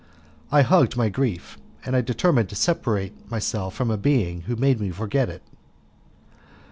I hugged my grief, and I determined to separate myself from a being who made me forget it.